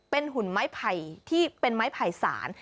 เป็นหุ่นไม้ไผ่ที่เป็นไม้ไผ่สาร